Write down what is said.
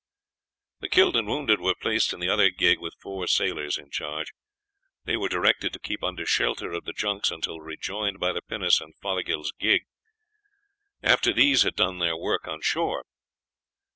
The killed and wounded were placed in the other gig with four sailors in charge. They were directed to keep under shelter of the junks until rejoined by the pinnace and Fothergill's gig, after these had done their work on shore.